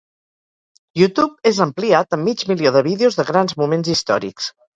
YouTube és ampliat amb mig milió de vídeos de grans moments històrics.